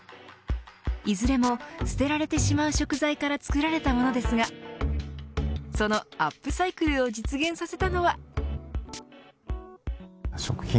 いずれも捨てられてしまう食材から作られたものですがそのアップサイクルを実現させたのは。